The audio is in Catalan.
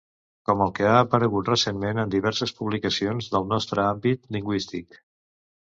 Com el que ha aparegut recentment en diverses publicacions del nostre àmbit lingüístic.